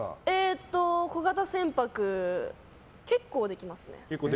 小型船舶、結構できますね。